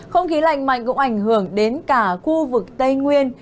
không khí lạnh mạnh cũng ảnh hưởng đến cả khu vực tây nguyên